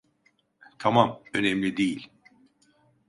Tamam, önemli değil.